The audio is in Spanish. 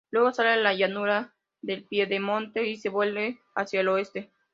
Luego sale a la llanura del piedemonte y se vuelve hacia el oeste.